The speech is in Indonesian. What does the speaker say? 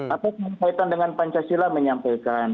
apa yang kaitan dengan pancasila menyampaikan